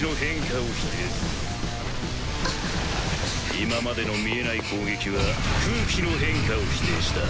今までの見えない攻撃は空気の変化を否定した。